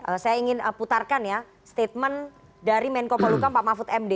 oke saya ingin putarkan ya statement dari menko polukam pak mahfud md